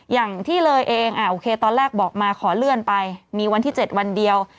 อย่างที่เลยเองโอเคตอนแรกบอกมาขอเลื่อนไปมีวันที่๗วันเดียว